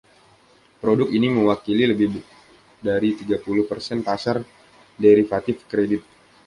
Produk ini mewakili lebih dari tiga puluh persen pasar derivatif kredit.